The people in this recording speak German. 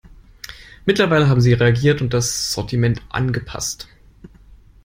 Mittlerweile haben sie reagiert und das Sortiment angepasst.